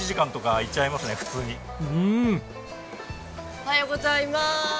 おはようございます。